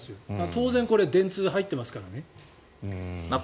当然、これ電通が入ってますからね。